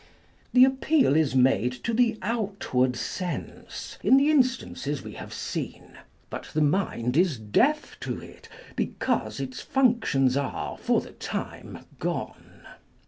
The appeal is made to the outward sense, in the instances we have seen ; but the mind is deaf to it, because its functions are for the time gone.